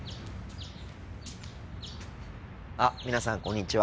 あ皆さんこんにちは。